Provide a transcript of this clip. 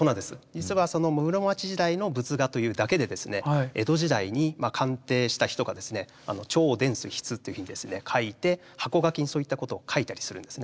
実はその室町時代の仏画というだけで江戸時代に鑑定した人が「兆殿司筆」というふうに書いて箱書きにそういったことを書いたりするんですね。